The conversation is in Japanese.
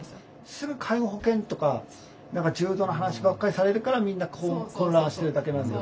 すぐ介護保険とか重度の話ばっかりされるからみんな混乱してるだけなんだよね。